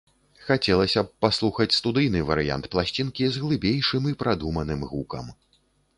Хацелася б паслухаць студыйны варыянт пласцінкі з глыбейшым і прадуманым гукам.